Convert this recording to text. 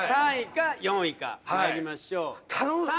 ３位か４位かまいりましょう頼む！